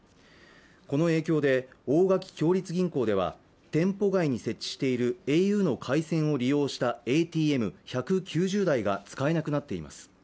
この影響で、大垣共立銀行では、店舗外に設置しているａｕの回線を利用したＡＴＭ１９０台が使えなくなっています。